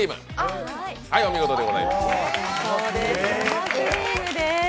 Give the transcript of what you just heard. はい、お見事でございます。